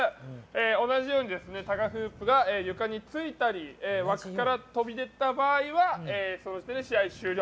同じようにタガフープが床についたり枠から飛び出た場合はその時点で試合終了。